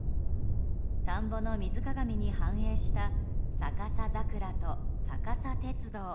田んぼの水かがみに反映した逆さ桜と逆さ鉄道。